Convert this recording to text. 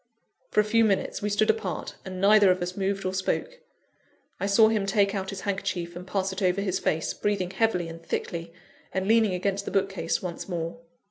For a few minutes we stood apart, and neither of us moved or spoke. I saw him take out his handkerchief, and pass it over his face, breathing heavily and thickly, and leaning against the bookcase once more.